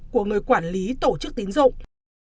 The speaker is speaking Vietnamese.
của người quản lý tổ chức tín dụng